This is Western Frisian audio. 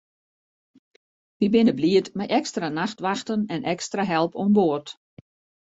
Wy binne bliid mei ekstra nachtwachten en ekstra help oan board.